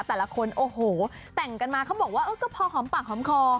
แต่ละคนโอ้โหแต่งกันมาเขาบอกว่าเออก็พอหอมปากหอมคอ